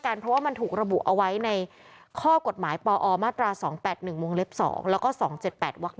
เพราะว่ามันถูกระบุเอาไว้ในข้อกฎหมายปอมาตรา๒๘๑วงเล็บ๒แล้วก็๒๗๘วัก๑